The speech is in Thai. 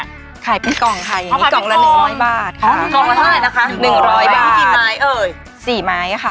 ดวงมากเลยบอกขนมไทยแต่นี่มันมะกะลองหรือเปล่าคะ